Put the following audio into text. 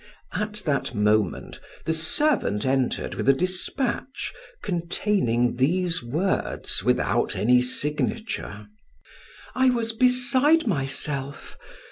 At that moment the servant entered with a dispatch containing these words without any signature: "I was beside myself.